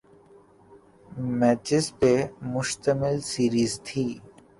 matches پہ مشتمل series تھی